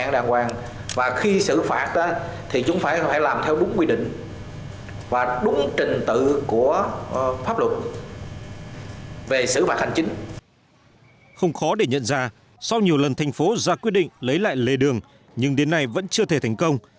ra quyết định lấy lại lề đường nhưng đến nay vẫn chưa thể thành công